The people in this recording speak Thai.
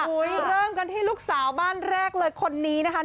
เริ่มกันที่ลูกสาวบ้านแรกเลยคนนี้นะคะ